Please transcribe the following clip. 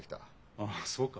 ああそうか。